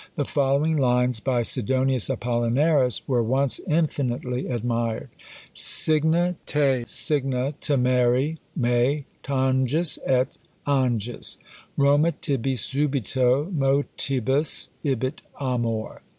The following lines by Sidonius Apollinaris were once infinitely admired: _Signa te signa temere me tangis et angis. Roma tibi subito motibus ibit amor.